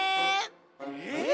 えっ！？